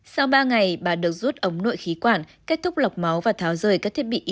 sau ba ngày bà được rút ống nội khí quản kết thúc lọc máu và tháo rời các thiết bị y tế